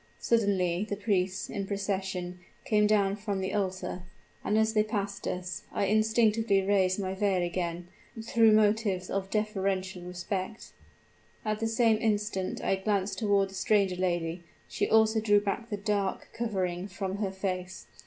Suddenly the priests, in procession, came down from the altar; and as they passed us, I instinctively raised my veil again, through motives of deferential respect. At the same instant I glanced toward the stranger lady; she also drew back the dark covering from her face.